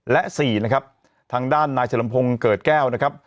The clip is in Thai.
และ๔นะครับทางด้านนายเฉลิมพงศ์เกิดแก้วนะครับ